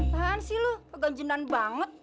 tahan sih lu peganjinan banget